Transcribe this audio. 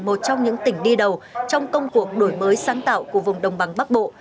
một trong những tỉnh đi đầu trong công cuộc đổi mới sáng tạo của vùng đồng bằng bắc bộ